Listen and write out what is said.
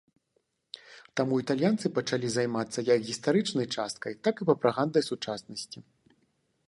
Таму італьянцы пачалі займацца як гістарычнай часткай, так і прапагандай сучаснасці.